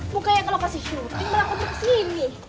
bukannya kalau kasih syuting melakukannya kesini